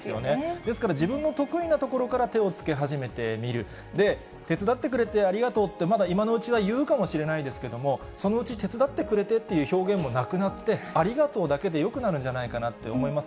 ですから、自分の得意なところから手をつけ始めてみる、で、手伝ってくれてありがとうって、まだ今のうちは言うかもしれないですけれども、そのうち、手伝ってくれてって表現もなくなって、ありがとうだけでよくなるんじゃないかなって思います。